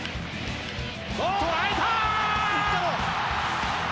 捉えた！